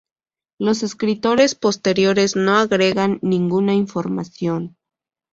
Los escritores posteriores no agregan ninguna información.